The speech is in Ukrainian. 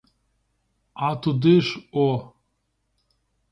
А туди ж о!